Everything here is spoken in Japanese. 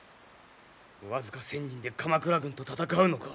僅か１，０００人で鎌倉軍と戦うのか。